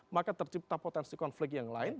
maka tercipta potensi konflik yang lain